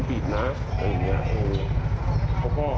ที่นี่มีปัญหา